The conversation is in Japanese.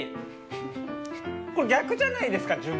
これ逆じゃないですか？